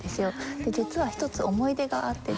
で実は１つ思い出があってですね